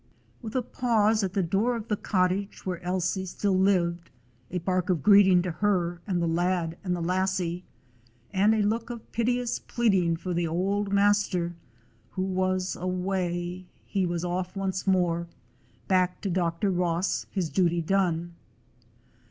With a pause at the door of the cottage where Ailsie still lived, a bark of greeting to her and the lad and the lassie, and a look of pit eous pleading for the old master who was "awa,' " he was off once more, back to Dr. Ross, his duty done.